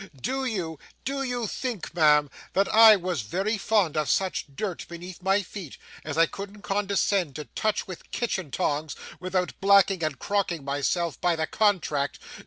Do you do you think, ma'am that I was very fond of such dirt beneath my feet, as I couldn't condescend to touch with kitchen tongs, without blacking and crocking myself by the contract?